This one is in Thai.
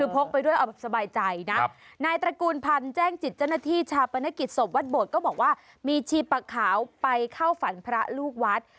พกไปด้วยเอาแบบสบายใจนะนายตระกูลพันธ์แจ้งจิตเจ้าหน้าที่ชาปนกิจศพวัดโบดก็บอกว่ามีชีปะขาวไปเข้าฝันพระลูกวัด